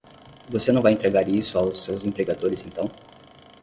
Você não vai entregar isso aos seus empregadores então?